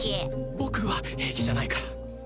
僕は平気じゃないから。